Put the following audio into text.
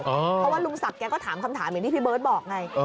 เพราะว่าลุงศักดิ์แกก็ถามคำถามอย่างที่พี่เบิร์ตบอกไง